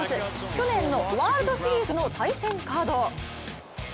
去年のワールドシリーズの対戦カード。